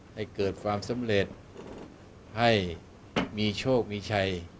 ให้เกิดความสำเร็จให้มีโชคมีชัย